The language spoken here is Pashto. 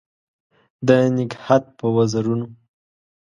د نګهت په وزرونو